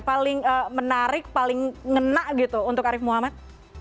paling menarik paling ngena gitu untuk arief muhammad